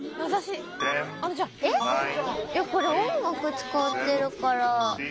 これ音楽使ってるから。